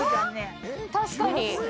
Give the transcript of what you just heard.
確かに。